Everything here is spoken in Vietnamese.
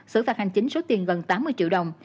xử phạt hành chính số tiền gần tám mươi triệu đồng